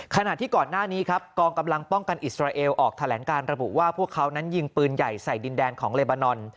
ขณะที่ก่อนหน้านี้ครับกองกำลังป้องกันอิสราเอลออกแถลงการระบุว่าพวกเขานั้นยิงปืนใหญ่ใส่ดินแดนของเลบานอน